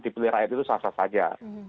dipilih rakyat itu sah sah saja